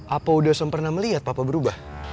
apa udah sempena melihat papa berubah